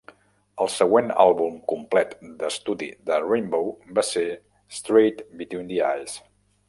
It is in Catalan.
El següent àlbum complet d'estudi de Rainbow va ser "Straight Between the Eyes".